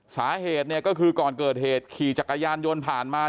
สาเหตุเนี่ยก็คือก่อนเกิดเหตุขี่จักรยานยนต์ผ่านมา